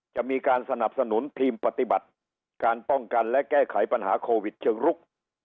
จะมีการสนับสนุนทีมปฏิบัติการป้องกันและแก้ไขปัญหาโควิดเชิงรุก